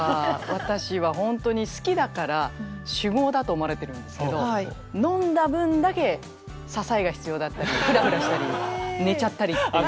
私は本当に好きだから酒豪だと思われてるんですけど飲んだ分だけ支えが必要だったりフラフラしたり寝ちゃったりっていう。